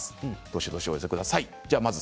どしどしお寄せください。